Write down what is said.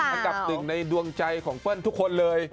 หรือเปล่าหรือกับตึงในดวงใจของเพลินทุกคนเลย